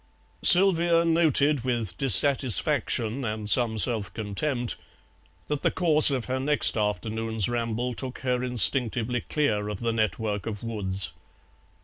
Sylvia noted with dissatisfaction and some self contempt that the course of her next afternoon's ramble took her instinctively clear of the network of woods.